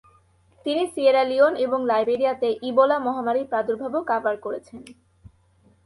তিনি Sierra Leone এবং লাইবেরিয়াতে ইবোলা মহামারীর প্রাদুর্ভাবও কাভার করেছেন।